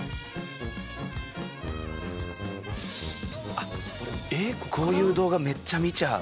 あっこういう動画めっちゃ見ちゃう。